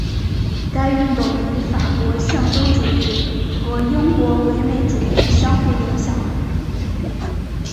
该运动与法国象征主义和英国唯美主义相互影响。